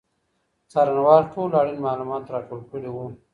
څارنوال ټول اړین معلومات راټول کړي وو.